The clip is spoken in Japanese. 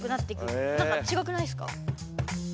何か違くないすか？